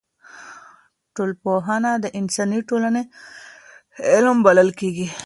ټولنپوهنه د انساني ټولني علم بلل کیږي.